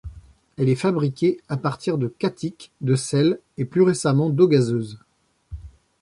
Elle est fabriquée à partir de qatiq, de sel et, plus récemment, d'eau gazeuse.